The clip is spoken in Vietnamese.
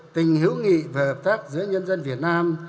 tình hữu nghị và hợp tác giữa nhân dân việt nam